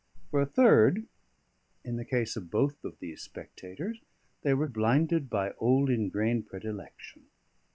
For a third (in the case of both of these spectators), they were blinded by old ingrained predilection.